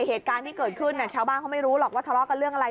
เหตุการณ์ที่เกิดขึ้นชาวบ้านเขาไม่รู้หรอกว่าทะเลาะกันเรื่องอะไร